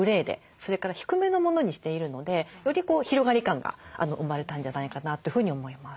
それから低めのものにしているのでより広がり感が生まれたんじゃないかなというふうに思います。